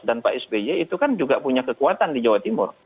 dan pak sby itu kan juga punya kekuatan di jawa timur